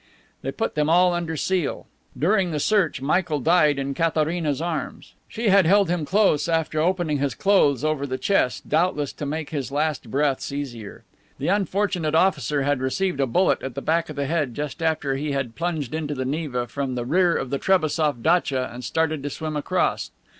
They put them all under seal. During the search Michael died in Katharina's arms. She had held him close, after opening his clothes over the chest, doubtless to make his last breaths easier. The unfortunate officer had received a bullet at the back of the head just after he had plunged into the Neva from the rear of the Trebassof datcha and started to swim across.